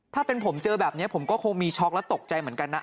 ถ้าเป็นผมเจอแบบนี้ผมก็คงมีช็อกแล้วตกใจเหมือนกันนะ